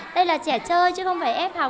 đây là trẻ chơi chứ không phải ép học